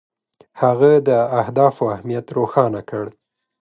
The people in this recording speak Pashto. هغه د اهدافو اهمیت روښانه کړ.